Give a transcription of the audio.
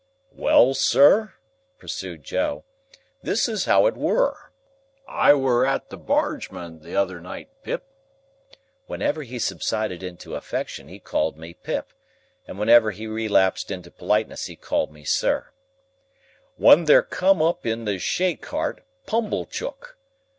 "Well, sir," pursued Joe, "this is how it were. I were at the Bargemen t'other night, Pip;"—whenever he subsided into affection, he called me Pip, and whenever he relapsed into politeness he called me sir; "when there come up in his shay cart, Pumblechook.